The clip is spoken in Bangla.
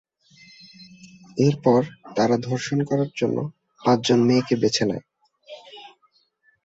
এরপর তারা ধর্ষণ করার জন্য পাঁচজন মেয়েকে বেছে নেয়।